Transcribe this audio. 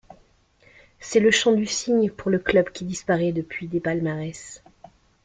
C'est le chant du cygne pour le club qui disparaît depuis des palmarès.